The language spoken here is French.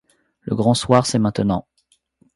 Le grand soir c'est maintenant.